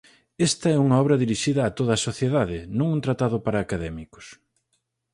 Esta é unha obra dirixida a toda a sociedade, non un tratado para académicos.